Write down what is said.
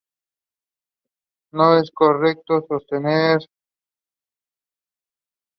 No es correcto sostener que la evolución jamás procede de manera lineal.